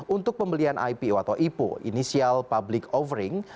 untuk pembelian ipo atau ipo inisial public offering